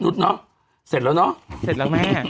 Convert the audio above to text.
เสร็จล่ะเนอะ